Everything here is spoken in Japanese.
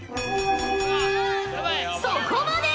そこまで！